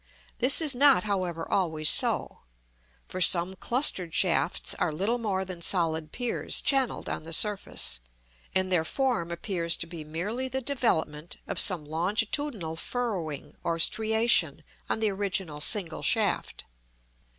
This is not, however, always so: for some clustered shafts are little more than solid piers channelled on the surface, and their form appears to be merely the development of some longitudinal furrowing or striation on the original single shaft.